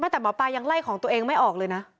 แต่หมอปลายังไล่ของตัวเองไม่ออกเลยนะ